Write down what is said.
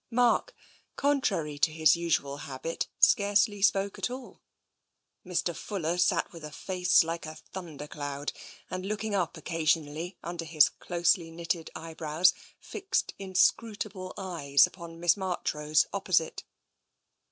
Mark, contrary to his usual habit, scarcely spoke at all ; Mr. Fuller sat with a face like a thundercloud, and, looking up occasionally un der his closely knitted eyebrows, fixed inscrutable eyes upon Miss Marchrose opposite.